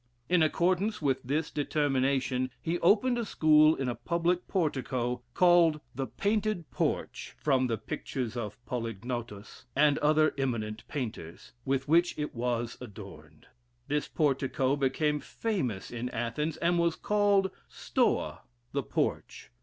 In accordance with this determination, he opened a school in a public portico, called the Painted Porch, from the pictures of Polygnotus, and other eminent painters, with which it was adorned. This portico became famous in Athens, and was called (Stoa) the Porch.